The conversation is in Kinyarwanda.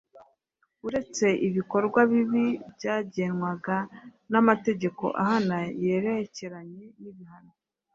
Uretse ibikorwa bibi byagenwaga n'amategeko ahana yerekeranye n'ibihano,